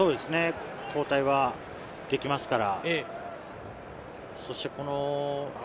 交代はできますから。